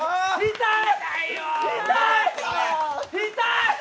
痛い！